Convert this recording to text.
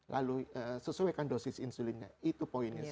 lalu sesuaikan dosis insulinnya itu poinnya